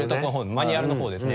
マニュアルの方ですね